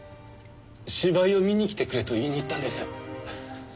芝居を見に来てくれと言いに行ったんです。